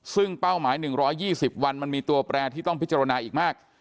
ซึ่งเป้าหมาย๑๒๐วันมันมีตัวแปรที่ต้องพิจารณาอีกมาก